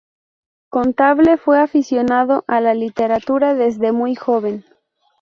Contable, fue aficionado a la literatura desde muy joven.